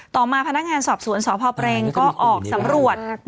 ต่อมาพนักงานสอบสวนสพเปรงก็ออกสำรวจ